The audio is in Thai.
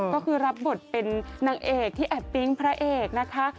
ก็คือรับบทเป็นนางเอกที่แอบปิ๊งพระเอกนะคะ